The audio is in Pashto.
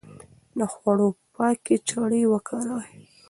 د خوړو پاکې چړې وکاروئ.